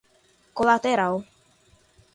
colateral